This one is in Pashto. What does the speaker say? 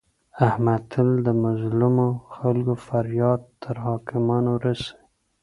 احمد تل د مظلمو خلکو فریاد تر حاکمانو رسوي.